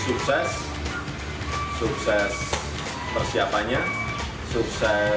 saya bercapai tapi ini belum